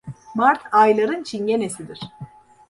Mart ayların çingenesidir.